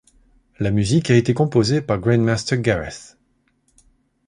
La musique a été composée par Grandmaster Gareth.